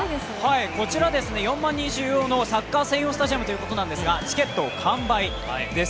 こちら４万人収容のサッカー専用スタジアムなんですがチケット完売です。